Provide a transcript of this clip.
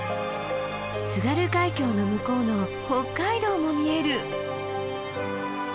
津軽海峡の向こうの北海道も見える！